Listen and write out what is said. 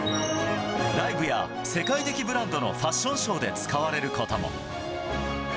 ライブや世界的ブランドのファッションショーで使われることも。